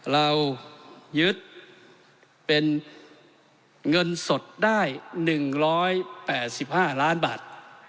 เรายึดเป็นเงินสดได้๑๘๕ล้านบาท